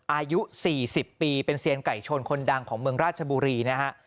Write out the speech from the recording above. อายุ๔๐ปีเป็นเซียนไก่ชนคนดังของเมืองราชบุรีนะฮะ